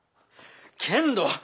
けんど。